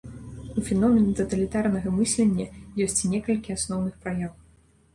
У феномена таталітарнага мыслення ёсць некалькі асноўных праяў.